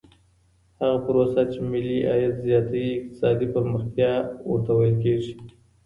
هغه پروسه چي ملي عايد زياتوي اقتصادي پرمختيا ورته ويل کېږي.